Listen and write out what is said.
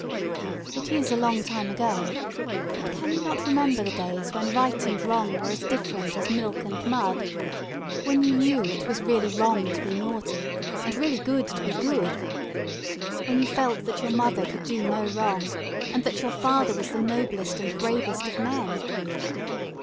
It is a long time ago, but can you not remember the days when right and wrong were as different as milk and mud, when you knew that it was really wrong to be naughty and really good to be good, when you felt that your mother could do no wrong and that your father was the noblest and bravest of men?